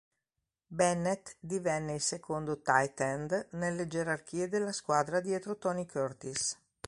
Bennett divenne il secondo tight end nelle gerarchie della squadra dietro Tony Curtis.